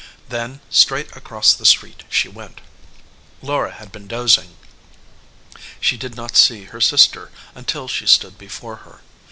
Then straight across the street she went. 24 SARAH EDGEWATER Laura had been dozing. She did not see her sister until she stood before her.